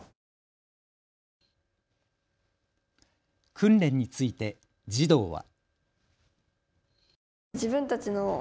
訓練について児童は。